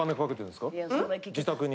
自宅に。